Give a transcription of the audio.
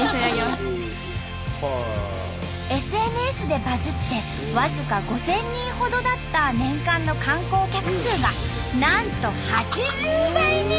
ＳＮＳでバズって僅か５，０００人ほどだった年間の観光客数がなんと８０倍に！